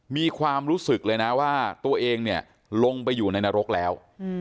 มีความรู้สึกเลยนะว่าตัวเองเนี่ยลงไปอยู่ในนรกแล้ว